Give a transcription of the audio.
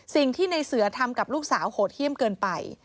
สิ่งที่ในเสือทำกับลูกสาวโหดเยี่ยมเกินไป